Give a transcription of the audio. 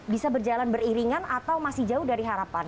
bisa berjalan beriringan atau masih jauh dari harapan